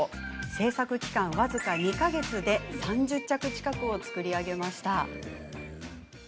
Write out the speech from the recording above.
制作期間、僅か２か月で３０着近くを作り上げました。